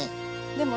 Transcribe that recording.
でも。